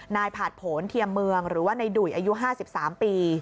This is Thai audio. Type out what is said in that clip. ผ่านผลเทียมเมืองหรือว่าในดุ่ยอายุ๕๓ปี